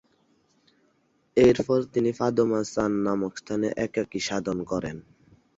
এরপর তিনি পাদ-মা-চান নামক স্থানে একাকী সাধন করেন।